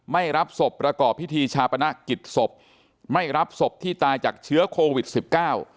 ไม่รับศพประกอบพิธีชาปนกิจศพไม่รับศพที่ตายจากเชื้อโควิดสิบเก้า